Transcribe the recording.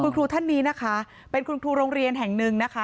คุณครูท่านนี้นะคะเป็นคุณครูโรงเรียนแห่งหนึ่งนะคะ